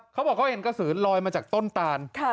เขาบอกเขาเห็นกระสือลอยมาจากต้นตาน